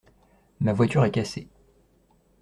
Ma voiture est cassée.